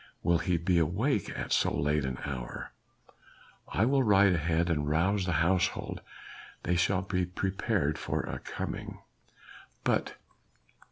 "Will he be awake at so late an hour?" "I will ride ahead and rouse his household. They shall be prepared for our coming." "But...."